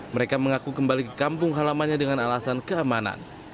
mereka mengaku kembali ke kampung halamannya dengan alasan keamanan